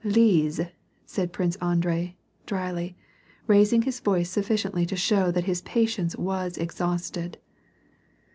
"Lise," said Prince Andrei, dryly, raising his voice sufB. ciently to show that his patience was exhausted.